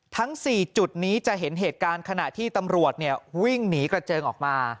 ทั้ง๔จุดนี้จะเห็นเหตุการณ์ขณะที่ตำรวจวิ่งหนีกระเจิงออกมา